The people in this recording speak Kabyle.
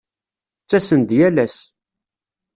Ttasen-d yal ass.